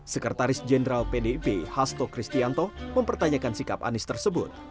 sekretaris jenderal pdip hasto kristianto mempertanyakan sikap anies tersebut